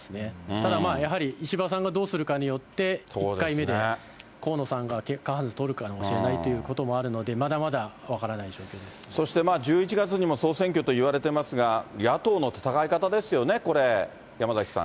ただ、やはり石破さんがどうするかによって、１回目で河野さんが過半数を取るかもしれないというのがあるので、そして１１月にも総選挙といわれてますが、野党の戦い方ですよね、山崎さん。